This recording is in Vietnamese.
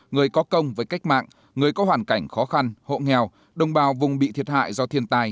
người có công với cách mạng người có hoàn cảnh khó khăn hộ nghèo đồng bào vùng bị thiệt hại do thiên tai